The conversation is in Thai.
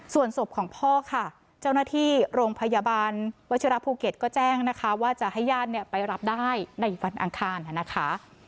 ส่วนศพของพ่อค่ะเจ้าหน้าที่โรงพยาบาลวัชิระภูเก็ตก็แจ้งนะคะว่าจะให้ญาติไปรับได้ในวันอังคารนะคะ